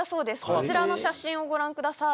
こちらの写真をご覧ください。